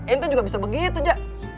ente juga bisa begitu jack